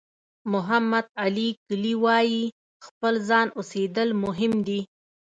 محمد علي کلي وایي خپل ځان اوسېدل مهم دي.